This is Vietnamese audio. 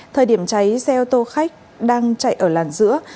thời điểm cháy xe ô tô khách đang chạy ở làn giữa